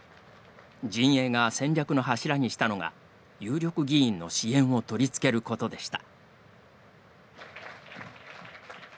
陣営が戦略の柱にしたのが有力議員の支援を取り付けることでした。